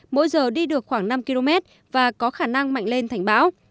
mỗi giờ đi được khoảng năm km và có khả năng mạnh lên thành bão